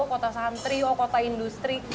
oh kota santri oh kota industri